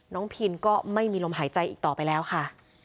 พินก็ไม่มีลมหายใจอีกต่อไปแล้วค่ะ